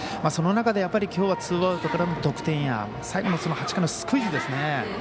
その中で、きょうはツーアウトからの得点や最後の８回のスクイズですね。